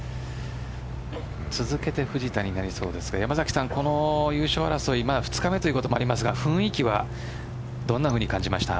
続けて藤田になりそうですが山崎さん、この優勝争い２日目ということもありますが雰囲気はどんなふうに感じました？